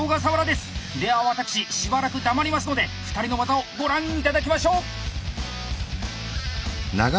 では私しばらく黙りますので２人の技をご覧頂きましょう！